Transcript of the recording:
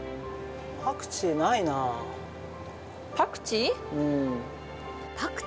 パクチーないなパクチー？